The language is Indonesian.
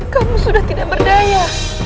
kamu sudah tidak berdaya